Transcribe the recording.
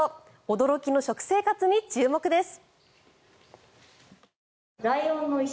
驚きの食生活に注目です。